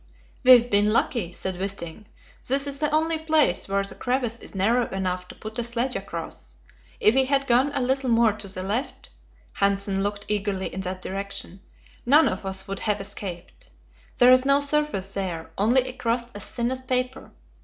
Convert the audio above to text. "We've been lucky," said Wisting; "this is the only place where the crevasse is narrow enough to put a sledge across. If we had gone a little more to the left" Hanssen looked eagerly in that direction "none of us would have escaped. There is no surface there; only a crust as thin as paper.